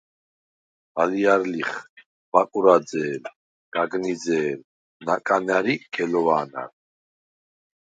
ალჲარ ლიხ: ბაკურაძე̄ლ, გაგნიძე̄ლ, ნაკანარ ი გელოვა̄ნარ.